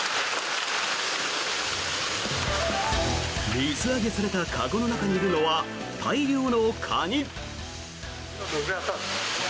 水揚げされた籠の中にいるのは大量のカニ。